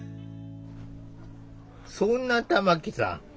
そんな玉木さん